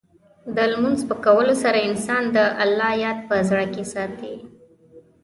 د لمونځ په کولو سره، انسان د الله یاد په زړه کې ساتي.